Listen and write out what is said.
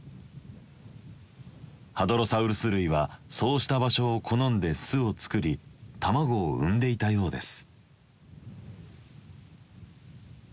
ハドロサウルス類はそうした場所を好んで巣を作り卵を産んでいたようです。